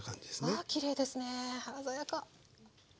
わあきれいですね鮮やか！